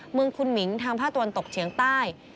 เมืองคุณหมิ้งทางพระตนตกเฉียงใต้